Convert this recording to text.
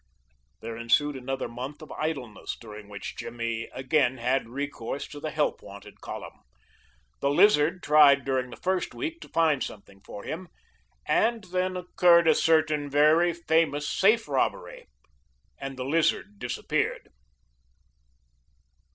There ensued another month of idleness, during which Jimmy again had recourse to the Help Wanted column. The Lizard tried during the first week to find something for him, and then occurred a certain very famous safe robbery, and the Lizard disappeared.